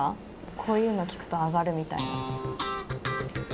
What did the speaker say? こういうの聞くと上がるみたいな。